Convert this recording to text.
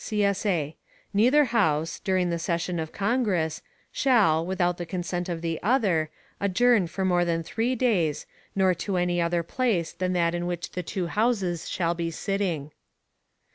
[CSA] Neither House, during the Session of Congress, shall, without the consent of the other, adjourn for more than three days, nor to any other place than that in which the two Houses shall be sitting.